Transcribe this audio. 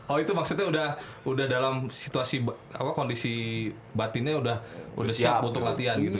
oh itu maksudnya udah dalam situasi kondisi batinnya udah siap untuk latihan gitu ya